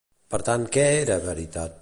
Per tant, què era veritat?